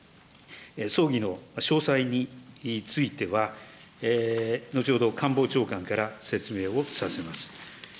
葬儀の詳細については、後ほど官房長官から説明をさせます。